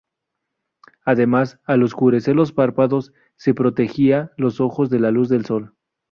Además, al oscurecer los párpados se protegían los ojos de la luz del sol.